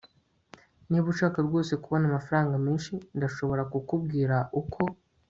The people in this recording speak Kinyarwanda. niba ushaka rwose kubona amafaranga menshi, ndashobora kukubwira uko